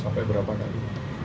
sampai berapa kali